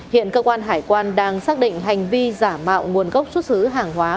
hiện cơ quan hải quan đang xác định hành vi giả mạo nguồn gốc xuất xứ hàng hóa